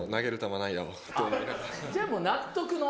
じゃもう納得の。